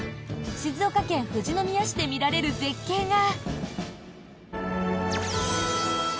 静岡県富士宮市で見られる絶景が。